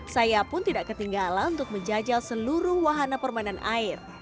saya pun tidak ketinggalan untuk menjajal seluruh wahana permainan air